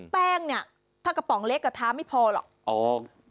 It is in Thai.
แป้งเนี่ยถ้ากระป๋องเล็กกระท้าไม่พอหรอก